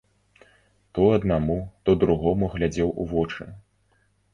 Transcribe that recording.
То аднаму, то другому глядзеў у вочы.